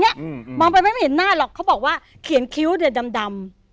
อืมมองไปไม่เห็นหน้าหรอกเขาบอกว่าเขียนคิ้วเดี๋ยวดำดำ